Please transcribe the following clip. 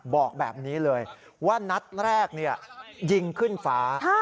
บอกแบบนี้เลยว่านัดแรกยิงขึ้นฟ้า